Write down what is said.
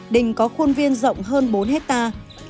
đình có khuôn viên rộng hơn bốn hectare